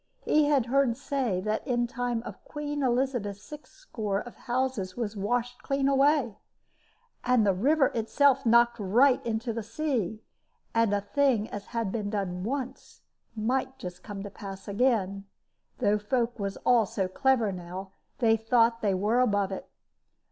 He had heard say that in time of Queen Elizabeth sixscore of houses was washed clean away, and the river itself knocked right into the sea; and a thing as had been once might just come to pass again, though folk was all so clever now they thought they wor above it.